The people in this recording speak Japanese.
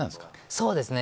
そうですね。